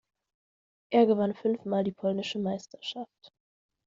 Er gewann fünf mal die polnische Meisterschaft.